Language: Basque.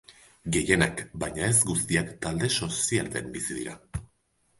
Gehienak, baina ez guztiak, talde sozialetan bizi dira.